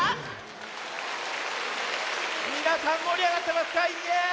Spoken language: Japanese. みなさんもりあがってますか？